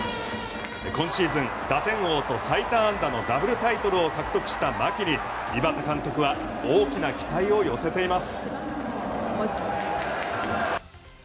今シーズン、打点王と最多安打のダブルタイトルを獲得した牧に監督は大きな期待を寄せています。